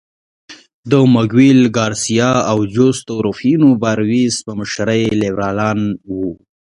د مګویل ګارسیا او جوستو روفینو باریوس په مشرۍ لیبرالان وو.